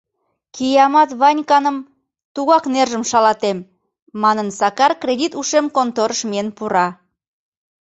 — Киямат Ваньканым тугак нержым шалатем! — манын, Сакар кредит ушем конторыш миен пура.